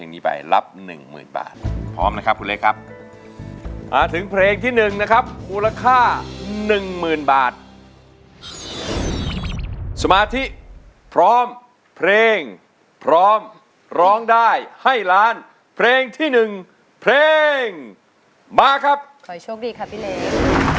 นี่มาถึงเพลงที่หนึ่งนะครับคู่ราคา๑๐๐๐๐บาทสมาธิพร้อมเพลงพร้อมร้องได้ให้ล้านเพลงที่หนึ่งเพลงมาครับขอให้โชคดีครับพี่เลง